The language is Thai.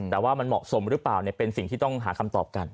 แต่ว่ามันเหมาะสมหรือเปล่าเป็นสิ่งที่ต้องหาคำตอบกัน